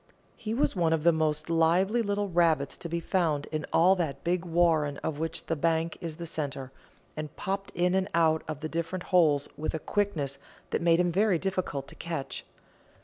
He was one of the most lively little rabbits to be found in all that big warren of which the Bank is the centre, and popped in and out of the different holes with a quickness that made him very difficult to catch.